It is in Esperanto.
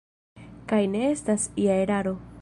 Kaj ne estas ia eraro.